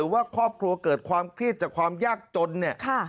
ว่าครอบครัวเกิดความเครียดจากความยากจนเนี่ย